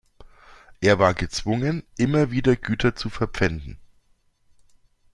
Er war gezwungen, immer wieder Güter zu verpfänden.